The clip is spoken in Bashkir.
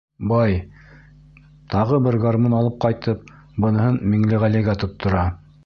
Бай, тағы бер гармун алып ҡайтып, быныһын Миңлеғәлегә тоттора.